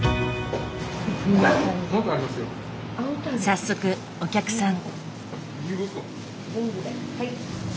早速お客さん。